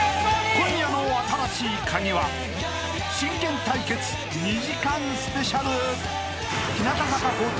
［今夜の『新しいカギ』は真剣対決２時間ＳＰ］